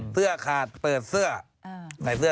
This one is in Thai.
เสื้อคาดเปิดเสื้อ